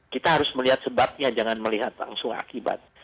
kita harus melihat sebabnya jangan melihat langsung akibat